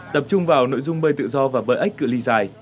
tập trung vào nội dung bơi tự do và bơi ếch cửa ly dài